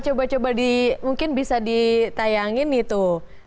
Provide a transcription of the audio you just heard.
coba coba di mungkin bisa ditayangin nih tuh